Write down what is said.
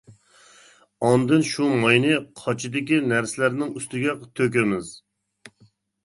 ئاندىن شۇ ماينى قاچىدىكى نەرسىلەرنىڭ ئۈستىگە تۆكىمىز.